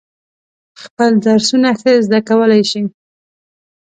خپل درسونه ښه زده کولای شي.